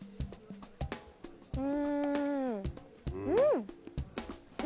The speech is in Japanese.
うんうん！